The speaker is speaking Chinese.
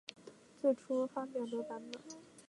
最初发表的版本。